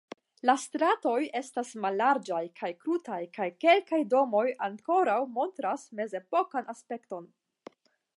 La stratoj estas mallarĝaj kaj krutaj kaj kelkaj domoj ankoraŭ montras mezepokan aspekton.